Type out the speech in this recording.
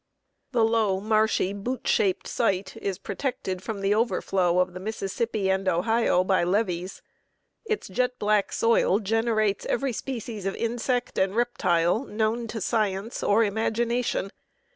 The low, marshy, boot shaped site is protected from the overflow of the Mississippi and Ohio by levees. Its jet black soil generates every species of insect and reptile known to science or imagination.